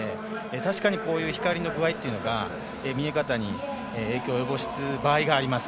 確かに光の具合というのが見え方に影響を及ぼす場合があります。